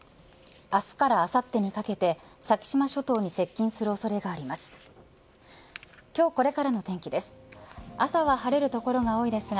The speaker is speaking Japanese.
明日からあさってにかけて先島諸島に接近する恐れがあります。